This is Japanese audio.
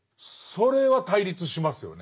それは対立しますよね。